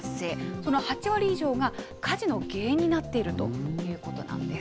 その８割以上が火事の原因になっているということなんです。